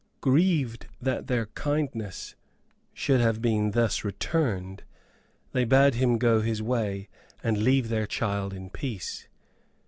Grieved that their kindness should have been thus returned, they bade him go his way, and leave their child in peace.